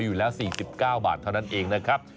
อยู่แล้ว๔๙บาทเท่านั้นเองนะครับ